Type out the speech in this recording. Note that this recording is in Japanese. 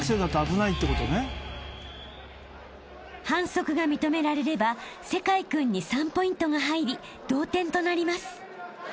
［反則が認められれば聖魁君に３ポイントが入り同点となります］